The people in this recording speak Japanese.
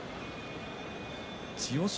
千代翔